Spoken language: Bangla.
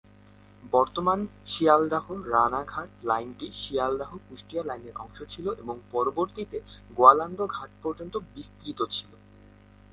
বর্তমান শিয়ালদাহ-রানাঘাট লাইনটি শিয়ালদাহ-কুষ্টিয়া লাইনের অংশ ছিল এবং পরবর্তীতে গোয়ালন্দ ঘাট পর্যন্ত বিস্তৃত ছিল।